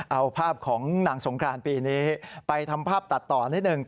เอาภาพของนางสงครานปีนี้ไปทำภาพตัดต่อนิดหนึ่ง